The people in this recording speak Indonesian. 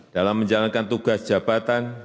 dalam menjalankan tugas jabatan